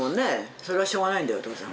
それはしょうがないんだよお父さん。